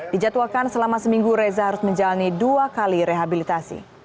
dijadwalkan selama seminggu reza harus menjalani dua kali rehabilitasi